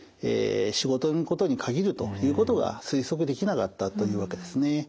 仕事のことに限るということが推測できなかったというわけですね。